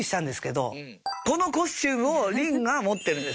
このコスチュームを凛が持ってるんです。